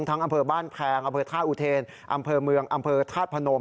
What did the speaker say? อำเภอบ้านแพงอำเภอธาตุอุเทนอำเภอเมืองอำเภอธาตุพนม